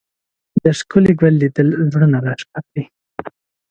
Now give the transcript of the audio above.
د ښکلي ګل لیدل زړونه راښکاري